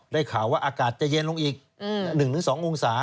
ข่าวว่าอากาศจะเย็นลงอีก๑๒องศา